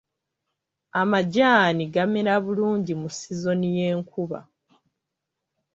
Amajaani gamera bulungi mu sizoni y'enkuba.